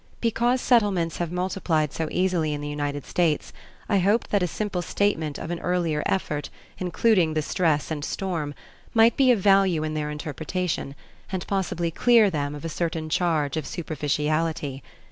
Because Settlements have multiplied so easily in the United States I hoped that a simple statement of an earlier effort, including the stress and storm, might be of value in their interpretation and possibly clear them of a certain charge of superficiality.